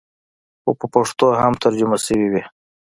خو په پښتو هم ترجمه سوې وې.